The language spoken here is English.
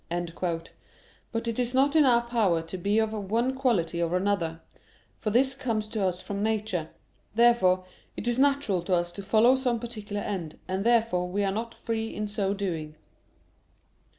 But it is not in our power to be of one quality or another; for this comes to us from nature. Therefore it is natural to us to follow some particular end, and therefore we are not free in so doing.